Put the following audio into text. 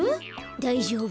だいじょうぶ。